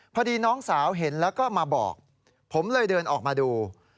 พอดีน้องสาวเห็นแล้วก็มาบอกผมเลยเดินออกมาดู